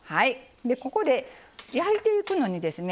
ここで焼いていくのにですね